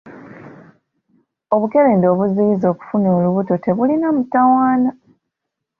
Obukerenda obuziyiza okufuna olubuto tebulina mutawaana.